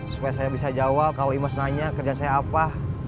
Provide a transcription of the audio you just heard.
supaya saya bisa jawab kalau imes nanya kerja saya apa